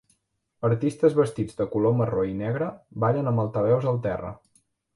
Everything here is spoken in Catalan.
Artistes vestits de color marró i negre ballen amb altaveus al terra.